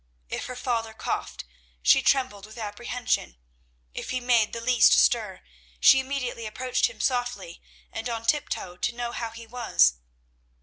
If her father coughed, she trembled with apprehension; if he made the least stir, she immediately approached him softly and on tiptoe to know how he was.